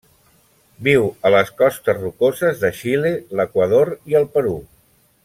Viu a les costes rocoses de Xile, l'Equador i el Perú.